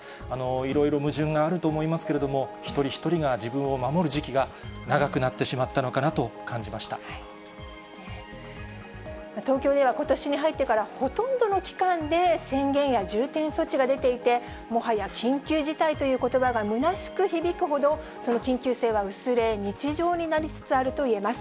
いろいろ矛盾があると思いますけれども、一人一人が自分を守る時期が長くなってしまったのかなと東京ではことしに入ってから、ほとんどの期間で宣言や重点措置が出ていて、もはや緊急事態ということばがむなしく響くほどその緊急性は薄れ、日常になりつつあると言えます。